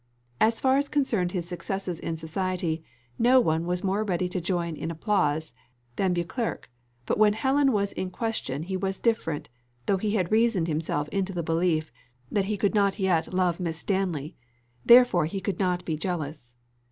As far as concerned his successes in society, no one was more ready to join in applause than Beauclerc; but when Helen was in question he was different, though he had reasoned himself into the belief that he could not yet love Miss Stanley, therefore he could not be jealous.